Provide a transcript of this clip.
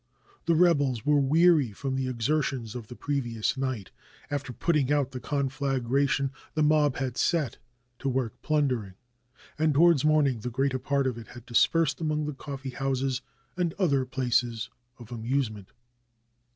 The reb els were weary from the exertions of the previous night. After putting out the conflagration the mob had set to work plundering, and towards morning the greater part of it had dispersed amongst the coffee houses and other places of amusement.